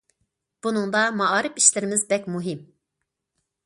بۇنىڭدا مائارىپ ئىشلىرىمىز بەك مۇھىم.